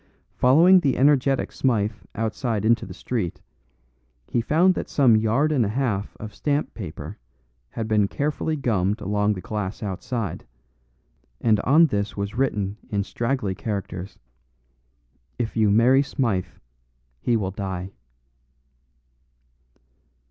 Following the energetic Smythe outside into the street, he found that some yard and a half of stamp paper had been carefully gummed along the glass outside, and on this was written in straggly characters, "If you marry Smythe, he will die."